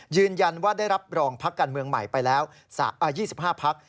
ยืนยันว่าได้รับรองพักการเมืองใหม่ไปแล้ว๒๕พัก